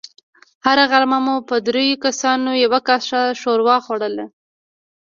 هره غرمه مو په دريو کسانو يوه کاسه ښوروا خوړله.